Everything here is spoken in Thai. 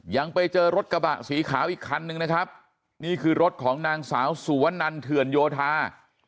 ยังไปเจอรถกระบะสีขาวอีกคันนึงนะครับนี่คือรถของนางสาวสุวนันเถื่อนโยธา